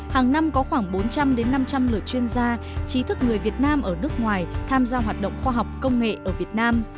hàng năm có khoảng bốn trăm linh năm trăm linh lượt chuyên gia trí thức người việt nam ở nước ngoài tham gia hoạt động khoa học công nghệ ở việt nam